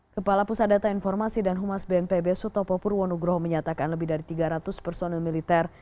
kepala pusat data informasi dan humas bnpb sutopo purwonugroho menyatakan lebih dari tiga ratus personil militer